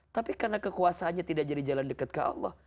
tapi karena kekuasaannya tidak jadi jalan dekat ke allah